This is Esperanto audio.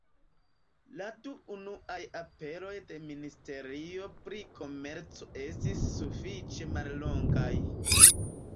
La du unuaj aperoj de ministerio pri komerco estis sufiĉe mallongaj.